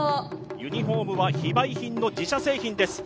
ユニフォームは非売品の自社製品です。